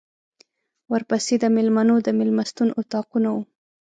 ورپسې د مېلمنو د مېلمستون اطاقونه وو.